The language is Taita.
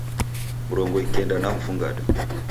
Mrongo ikenda na mfungade